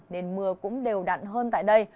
nên mưa cũng đều đặn hơn tại đây